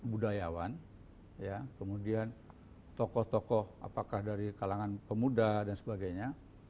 budayawan kemudian tokoh tokoh apakah dari kalangan pemuda dan sebagainya